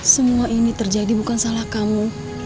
semua ini terjadi bukan salah kamu